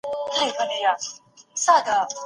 د ميرمني وهونکی يا تهديدوونکی ظالم دی.